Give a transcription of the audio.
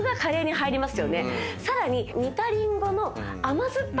さらに。